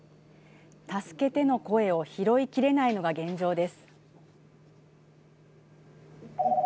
助けての声を拾いきれないのが現状です。